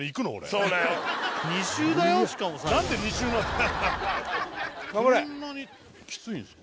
そんなにキツいんすか？